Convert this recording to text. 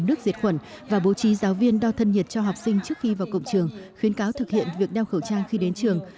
nước diệt khuẩn và bố trí giáo viên đo thân nhiệt cho học sinh trước khi vào cụm trường khuyến cáo thực hiện việc đeo khẩu trang khi đến trường